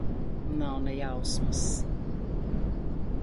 Nav ne jausmas.